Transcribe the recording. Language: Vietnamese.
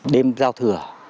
đêm giao thửa